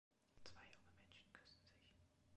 Zwei junge Menschen küssen sich.